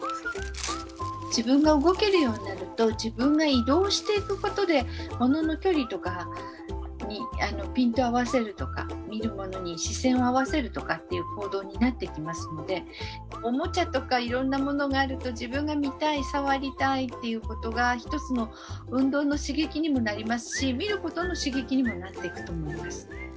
自分が動けるようになると自分が移動していくことでものの距離とかにピントを合わせるとか見るものに視線を合わせるとかっていう行動になってきますのでおもちゃとかいろんなものがあると自分が見たい触りたいということが一つの運動の刺激にもなりますし見ることの刺激にもなっていくと思います。